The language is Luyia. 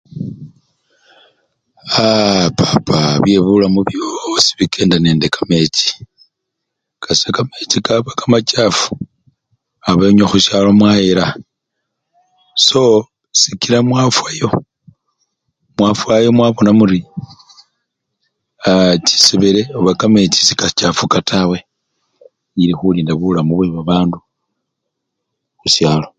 Aa! papa byebulamu byosi bikenda nende kamechi, kasita kamechi kaba kamachafu, abenywe khusyalo mwayela soo sikila mwafwayo, mwafwayo mwabona muri chisebele oba kamechi sekachafuka tawe ili khulinda bulamu bwebabandu khusyalo.